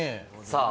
さあ